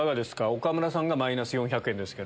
岡村さんがマイナス４００円。